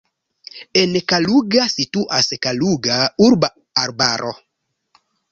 En Kaluga situas Kaluga urba arbaro.